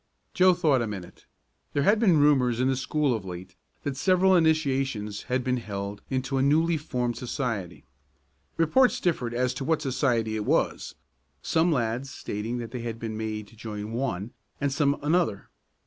Joe thought a minute. There had been rumors in the school of late, that several initiations had been held into a newly formed society. Reports differed as to what society it was, some lads stating that they had been made to join one and some another.